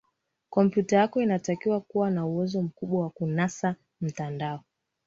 kompyuta yako inatakiwa kuwa na uwezo mkubwa wa kunasa mtandao